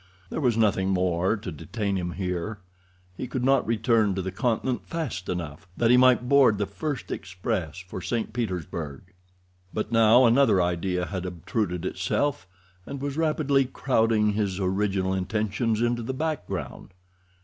There was nothing more to detain him here. He could not return to the Continent fast enough, that he might board the first express for St. Petersburg. But now another idea had obtruded itself, and was rapidly crowding his original intentions into the background.